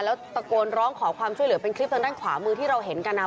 แล้วตะโกนร้องขอความช่วยเหลือเป็นคลิปทางด้านขวามือที่เราเห็นกันนะ